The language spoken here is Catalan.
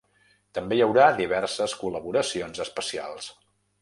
També hi haurà diverses col·laboracions especials.